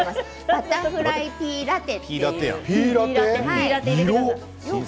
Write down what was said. バタフライピーラテ。